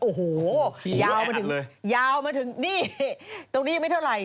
โอ้โฮยาวมาถึงนี่ตรงนี้ไม่เท่าไร